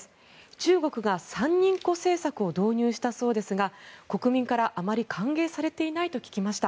中国が３人っ子政策を導入したそうですが国民から、あまり歓迎されていないと聞きました。